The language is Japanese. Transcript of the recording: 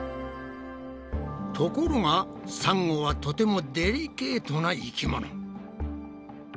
ところがサンゴはとてもデリケートな生き物。